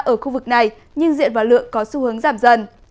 ở khu vực này nhưng diện và lượng có xu hướng giảm dần